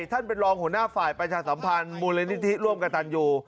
ท่านเป็นรองหัวหน้าฝ่ายประชาสัมพันธ์มูลนิธิร่วมกับตันยู